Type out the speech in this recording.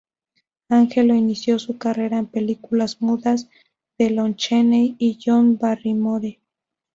Angelo inició su carrera en películas mudas de Lon Chaney y John Barrymore.